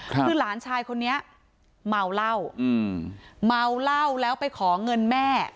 คือหลานชายคนนี้เมาเหล้าอืมเมาเหล้าแล้วไปขอเงินแม่